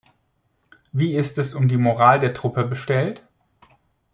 Wie ist es um die Moral der Truppe bestellt?